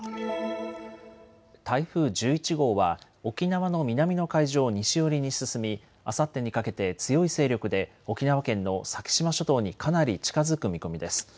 台風１１号は沖縄の南の海上を西寄りに進み、あさってにかけて強い勢力で沖縄県の先島諸島にかなり近づく見込みです。